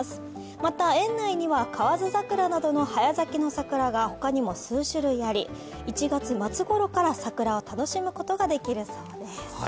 また、園内には河津桜などの早咲きの桜がほかにも数種類あり、１月末ごろから桜を楽しむことができるそうです。